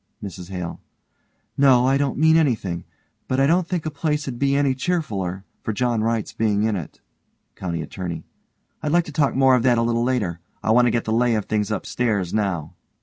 MRS HALE: No, I don't mean anything. But I don't think a place'd be any cheerfuller for John Wright's being in it. COUNTY ATTORNEY: I'd like to talk more of that a little later. I want to get the lay of things upstairs now.